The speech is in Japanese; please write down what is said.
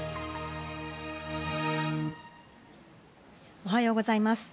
おはようございます。